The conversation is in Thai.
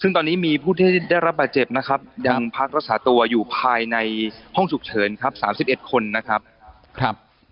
ซึ่งตอนนี้มีผู้ที่ได้รับบาดเจ็บนะครับยังพักรักษาตัวอยู่ภายในห้องฉุกเฉินครับ๓๑คนนะครับ